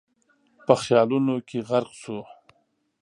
په خيالونو کې غرق شو.